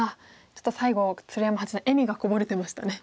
ちょっと最後鶴山八段笑みがこぼれてましたね。